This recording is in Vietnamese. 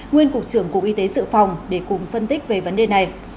nguyên cục trưởng cục y tế sự phòng để cùng phân tích về vấn đề này